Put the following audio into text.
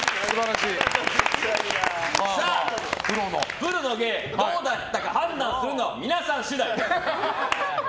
プロの芸、どうだったか判断するのは皆さん次第。